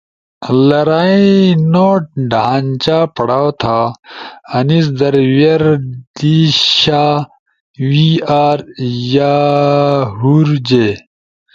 لرائی نو ڈھانچہ پڑاؤ تھا آنیز در we, re دی شا we are یا ہُور جے۔